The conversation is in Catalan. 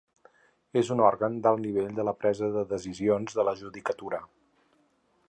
És un òrgan d'alt nivell de presa de decisions de la judicatura.